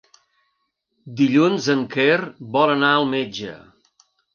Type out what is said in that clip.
Dilluns en Quer vol anar al metge.